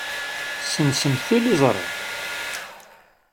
Ssensemt tiliẓri.